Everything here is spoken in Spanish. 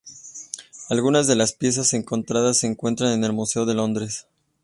Algunas de las piezas encontradas se encuentran en el Museo de Londres.